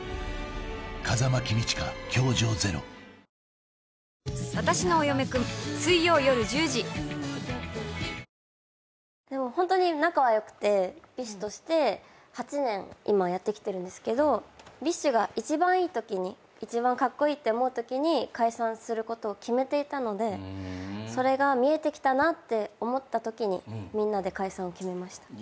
これ絶対うまいやつ」でもホントに仲は良くて ＢｉＳＨ として８年今やってきてるんですけど ＢｉＳＨ が一番いいときに一番カッコイイって思うときに解散することを決めていたのでそれが見えてきたなって思ったときにみんなで解散を決めました。